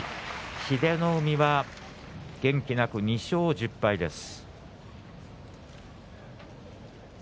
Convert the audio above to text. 英乃海は元気なく２勝１０敗です。